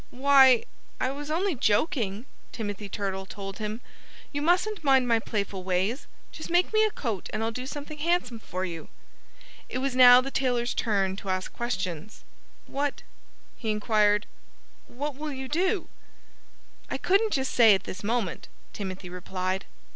"Why er I was only joking," Timothy Turtle told him. "You mustn't mind my playful ways. Just make me a coat and I'll do something handsome for you." It was now the tailor's turn to ask questions. "What" he inquired "what will you do?" "I couldn't just say at this moment," Timothy replied.